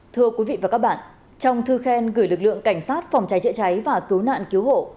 thưa quý vị và các bạn trong thư khen gửi lực lượng cảnh sát phòng cháy chữa cháy và cứu nạn cứu hộ